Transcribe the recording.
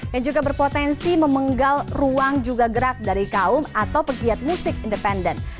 yang juga berpotensi memenggal ruang juga gerak dari kaum atau pegiat musik independen